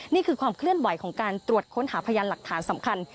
นี่คือความเคลื่อนไหวของการตรวจค้นหาพยานหลักฐานสำคัญ